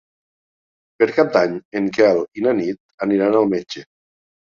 Per Cap d'Any en Quel i na Nit aniran al metge.